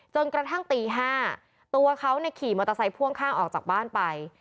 จนกระทั่งตี๕ตัวเขาขี่มอเตอร์ไซค์พ่วงข้างออกจากบ้านไป